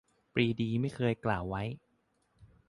- ปรีดีไม่เคยกล่าวไว้